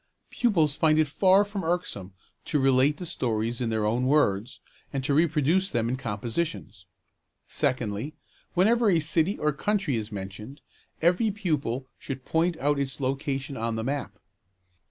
Pupils find it far from irksome to relate the stories in their own words, and to reproduce them in compositions. Secondly, whenever a city or country is mentioned, every pupil should point out its location on the map.